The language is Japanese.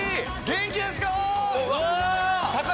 元気ですか？